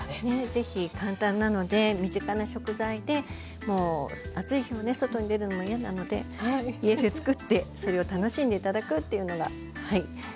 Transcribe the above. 是非簡単なので身近な食材でもう暑い日はね外に出るのも嫌なので家でつくってそれを楽しんで頂くっていうのがはい。